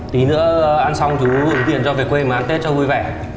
tí nữa ăn xong chú gửi tiền cho về quê mà ăn tết cho vui vẻ